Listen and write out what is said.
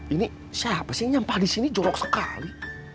ini siapa sih nyampah disini jorok sekali